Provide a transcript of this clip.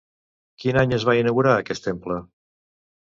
Quin any es va inaugurar aquest temple?